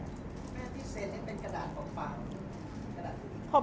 พี่แม่ที่เซ็นให้เป็นกระดานปลอกปาก